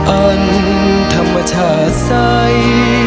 อันธรรมชาติใส